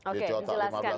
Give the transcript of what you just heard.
oke dijelaskan ya